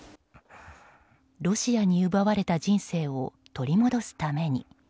ロシアに奪われた人生を取り戻すために。